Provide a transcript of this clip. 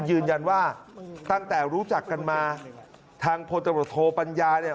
ยืนยันว่าตั้งแต่รู้จักกันมาทางพลตำรวจโทปัญญาเนี่ย